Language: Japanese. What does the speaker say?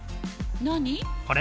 これ。